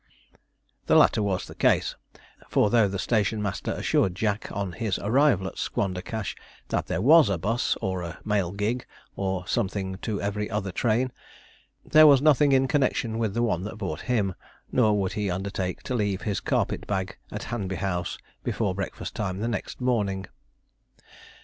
The latter was the case; for though the station master assured Jack, on his arrival at Squandercash, that there was a 'bus, or a mail gig, or a something to every other train, there was nothing in connexion with the one that brought him, nor would he undertake to leave his carpet bag at Hanby House before breakfast time the next morning.